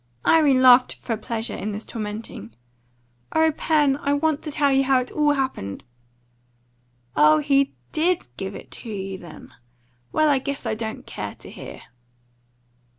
Irene laughed for pleasure in this tormenting. "O Pen, I want to tell you how it all happened." "Oh, he DID give it to you, then? Well, I guess I don't care to hear."